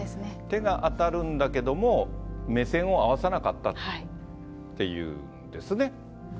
手が当たるんだけども、目線を合わさなかったっていうんですね。